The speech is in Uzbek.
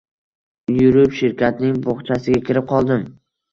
Yurib shirkatning bogʻchasiga kirib qoldim.